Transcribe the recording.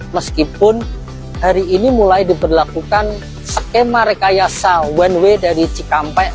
meskipun hari ini mulai diberlakukan skema rekayasa one way dari cikampek